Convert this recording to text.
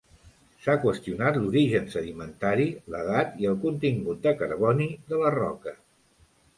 S'ha qüestionat l'origen sedimentari, l'edat i el contingut de carboni de les roques.